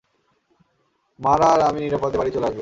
মারা আর আমি নিরাপদে বাড়ি চলে আসবো।